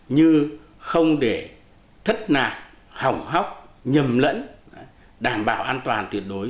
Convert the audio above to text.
như không để thất nạt hỏng hóc nhầm lẫn đảm bảo an toàn tuyệt đối